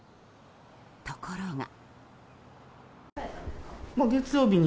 ところが。